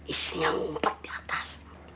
istrinya ngumpet di atas